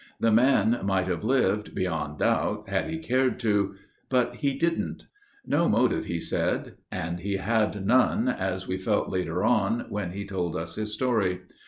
The man might have lived, beyond doubt, had he cared to. But he didn't. No motive, he said. And he had none, As we felt later on, when he told us his story.